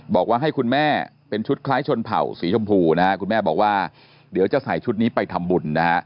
บอกว่าให้คุณแม่เป็นชุดคล้ายชนเผ่าสีชมพูนะฮะคุณแม่บอกว่าเดี๋ยวจะใส่ชุดนี้ไปทำบุญนะฮะ